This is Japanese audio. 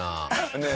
ねえ。